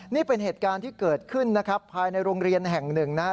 นี่เป็นเหตุการณ์ที่เกิดขึ้นนะครับภายในโรงเรียนแห่งหนึ่งนะครับ